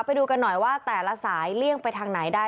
ไปดูกันหน่อยว่าแต่ละสายเลี่ยงไปทางไหนได้